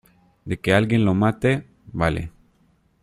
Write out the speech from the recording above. de que alguien lo mate. vale .